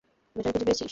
Battery খুঁজে পেয়েছিস?